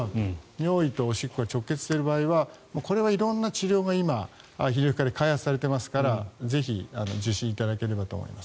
尿意とおしっこが直結している場合はこれは色んな治療が泌尿器科で開発されていますからぜひ受診いただければと思います。